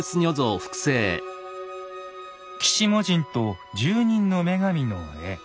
鬼子母神と１０人の女神の絵。